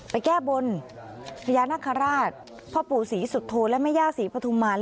แก้บนพญานาคาราชพ่อปู่ศรีสุโธและแม่ย่าศรีปฐุมาร